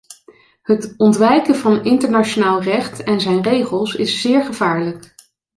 Het ontwijken van internationaal recht en zijn regels is zeer gevaarlijk.